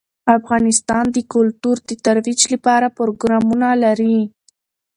افغانستان د کلتور د ترویج لپاره پروګرامونه لري.